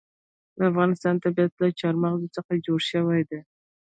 د افغانستان طبیعت له چار مغز څخه جوړ شوی دی.